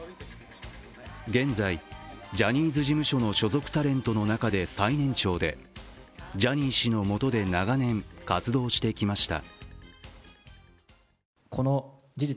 現在、ジャニーズ事務所の所属タレントの中で最年長でジャニー氏のもとで長年活動してきました。